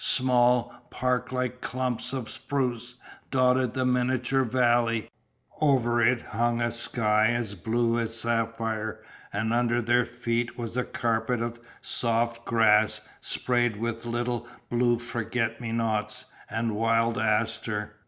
Small, parklike clumps of spruce dotted the miniature valley; over it hung a sky as blue as sapphire and under their feet was a carpet of soft grass sprayed with little blue forget me nots and wild asters.